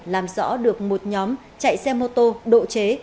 làm rõ được một nhóm chạy xe mô tô độ chế